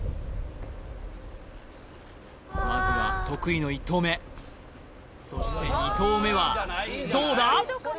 まずは得意の１投目そして２投目はどうだ